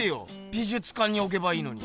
美術館におけばいいのに。